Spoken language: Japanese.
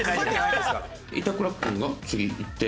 板倉君が次行って。